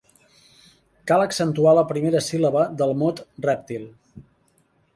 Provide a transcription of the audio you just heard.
Cal accentuar la primera síl·laba del mot "rèptil".